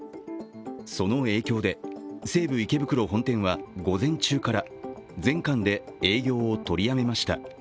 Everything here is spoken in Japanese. その影響で西武池袋本店は午前中から全館で営業を取りやめました。